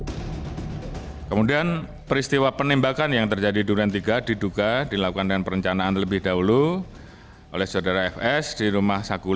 di rumah dinas kompleks polri verdi sambong mengkonfrontasi brigadir yosua